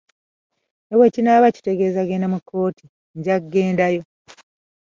Ne bwe kinaaba kitegeeza kugenda mu kkooti, nja kugendayo.